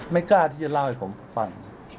กล้าที่จะเล่าให้ผมฟัง